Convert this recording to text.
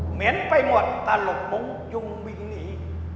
เหม็นไปหมดตาหลบมุงยุงวิงหนี